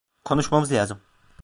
Konuşmamız lazım.